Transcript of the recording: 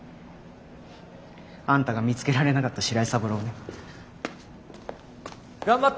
あんたが見つけられなかった白井三郎をね。頑張って。